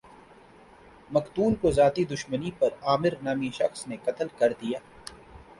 مقتول کو ذاتی دشمنی پر عامر نامی شخص نے قتل کردیا